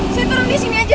saya turun disini aja